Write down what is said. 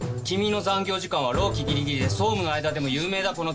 君の残業時間は労基ギリギリで総務の間でも有名だ。